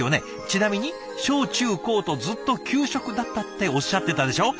ちなみに小中高とずっと給食だったっておっしゃってたでしょう？